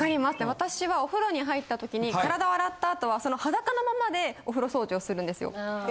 私はお風呂に入ったときに体を洗った後は裸のままでお風呂掃除をするんですよ。